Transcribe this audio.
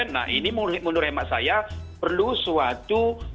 nah ini menurut hemat saya perlu suatu